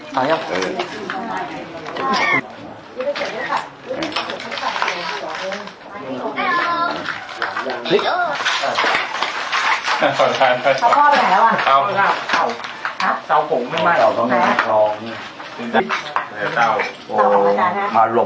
กระถาเนี่ยเรียกว่าแบบปลูกเค็ม